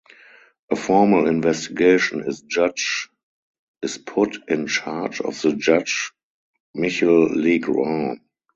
A formal investigation is judge is put in charge of the judge Michel Legrand.